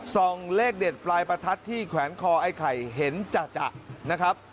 ส่องเลขเด็ดปลายประทัดที่แขวนคอไอ้ไข่เห็นจะนะครับ